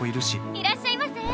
いらっしゃいませ。